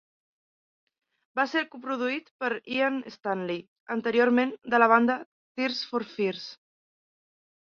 Va ser coproduït per Ian Stanley, anteriorment de la banda Tears For Fears.